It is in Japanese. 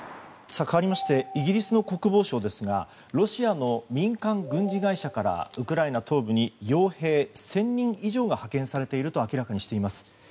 かわりましてイギリスの国防省ですがロシアの民間軍事会社からウクライナ東部に傭兵１０００人以上が派遣されていると明らかにしています。